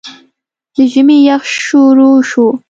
د ژمي يخ شورو شو